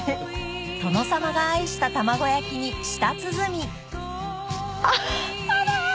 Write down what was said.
殿様が愛した卵焼きに舌鼓あら！